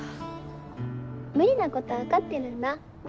無理なことは分かってるんだ